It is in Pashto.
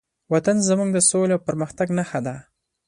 وطن زموږ د سولې او پرمختګ نښه ده.